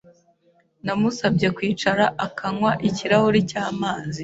Namusabye kwicara akanywa ikirahuri cy'amazi.